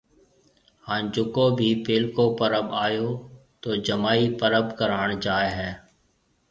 ھان جڪو ڀِي پيلڪو پرٻ آيو تو جمائِي پرٻ ڪراڻ جائيَ ھيََََ